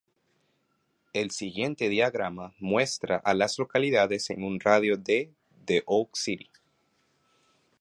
El siguiente diagrama muestra a las localidades en un radio de de Oak City.